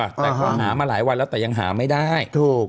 แต่พอหมาหมาหลายวันแล้วแต่ยังหาไม่ได้